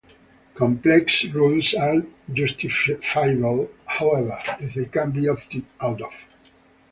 Complex rules are justifiable, however, if they can be opted out of.